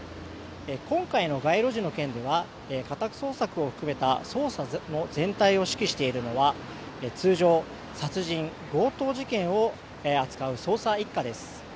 今回の街路樹の件では家宅捜索を含めた捜査の全体を指揮しているのは通常、殺人・強盗事件を扱う捜査１課です。